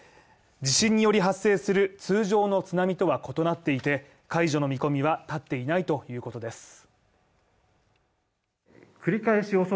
地震により発生する通常の津波とは異なっていて、解除の見込みは立っていないということです。